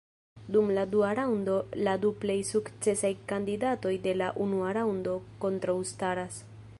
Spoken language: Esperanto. Dum la dua raŭndo la du plej sukcesaj kandidatoj de la unua raŭndo kontraŭstaras.